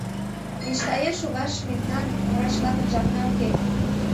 Мечтаен шогаш мемнан, врач-влакын, жапна уке.